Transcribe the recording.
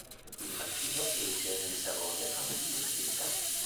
Il mattino Eugenio di Savoia aprì le ostilità.